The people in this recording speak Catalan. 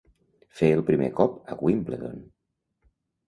Fer el primer cop a Wimbledon.